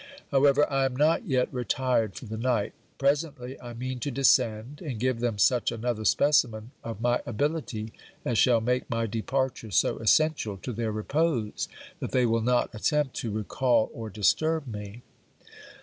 However, I am not yet retired for the night: presently, I mean to descend, and give them such another specimen of my ability as shall make my departure so essential to their repose, that they will not attempt to recal or disturb me.